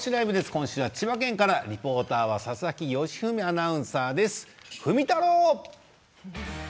今週は千葉県からリポーターは佐々木芳史アナウンサーです